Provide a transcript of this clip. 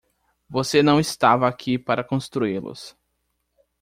Você não estava aqui para construí-los.